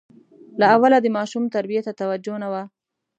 له اوله د ماشوم تربیې ته توجه نه وه.